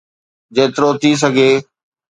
جيترو ٿي سگهي